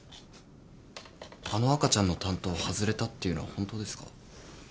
あの赤ちゃんの担当外れたっていうのは本当ですか？